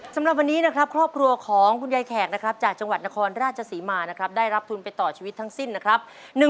สำหรับวันนี้นะครับครอบครัวของคุณยายแขกนะครับจากจังหวัดนครราชศรีมานะครับได้รับทุนไปต่อชีวิตทั้งสิ้นนะครับ